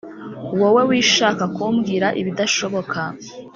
Wowe wishaka kumbwira ibidashoboka